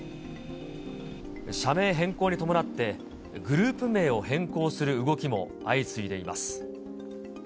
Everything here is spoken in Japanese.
社名変更に伴って、グループ名を変更する動きも相次いでいます。